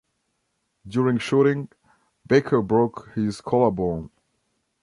During shooting, Baker broke his collarbone.